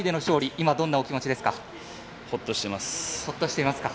今、どんなお気持ちですか？